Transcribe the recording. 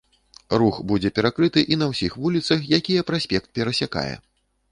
Рух будзе перакрыты і на ўсіх вуліцах, якія праспект перасякае.